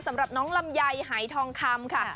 สำหรับน้องลำไยหายทองคำค่ะ